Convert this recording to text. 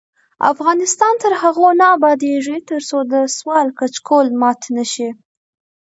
افغانستان تر هغو نه ابادیږي، ترڅو د سوال کچکول مات نشي.